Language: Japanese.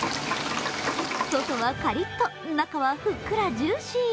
外はカリッと、中はふっくらジューシー。